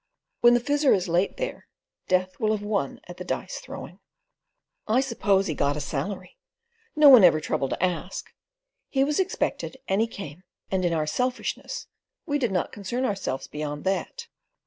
When the Fizzer is late there, death will have won at the dice throwing. I suppose he got a salary. No one ever troubled to ask. He was expected, and he came, and in our selfishness we did not concern ourselves beyond that.